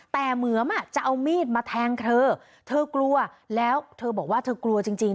แต่เหมือนจะเอามีดมาแทงเธอเธอกลัวแล้วเธอบอกว่าเธอกลัวจริงจริง